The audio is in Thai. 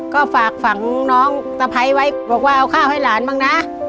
ก็ฝากฝังน้องสะพ้ายไว้บอกว่าเอาข้าวให้หลานบ้างนะ